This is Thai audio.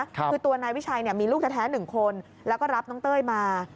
คือตัวนายวิชัยมีลูกแท้๑คนแล้วก็รับน้องเต้ยมา